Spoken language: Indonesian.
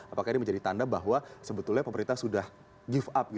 apakah ini menjadi tanda bahwa sebetulnya pemerintah sudah give up